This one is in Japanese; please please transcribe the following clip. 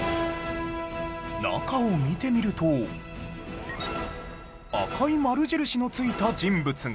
中を見てみると赤い丸印の付いた人物が